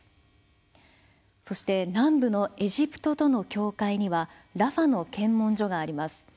そして、南部のエジプトとの境界にはラファの検問所があります。